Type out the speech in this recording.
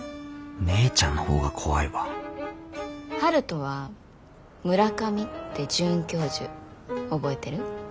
姉ちゃんのほうが怖いわ春風は村上って准教授覚えてる？